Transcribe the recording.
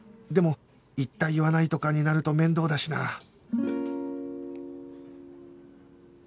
でも言った言わないとかになると面倒だしなあ